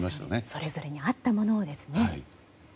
それぞれに合ったものをですね。